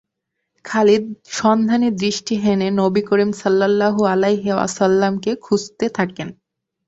খালিদ সন্ধানী দৃষ্টি হেনে নবী করীম সাল্লাল্লাহু আলাইহি ওয়াসাল্লাম-কে খুঁজতে থাকেন।